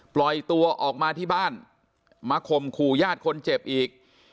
ปล่อยตัวออกมาที่บ้านมาข่มขู่ญาติคนเจ็บอีก